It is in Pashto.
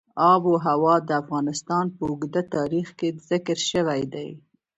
آب وهوا د افغانستان په اوږده تاریخ کې ذکر شوی دی.